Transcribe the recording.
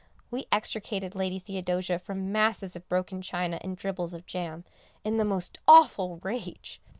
We extricated Lady Theodosia from masses of broken china and dribbles of jam, in the most awful rage.